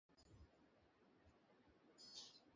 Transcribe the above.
নতুন এসেছ নাকি?